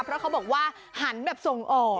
เพราะเขาบอกว่าหันแบบส่งออก